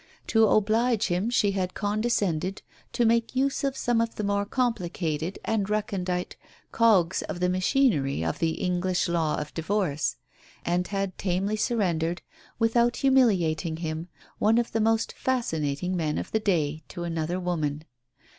To oblige him she had condescended to make use of some of the more complicated and recondite cogs of the machinery of the English law of divorce, and had tamely surrendered, without humiliating him, one of the most fascinating men of the day to another woman.